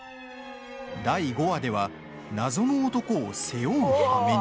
第５話では謎の男を背負うはめに。